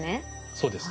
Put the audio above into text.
そうです。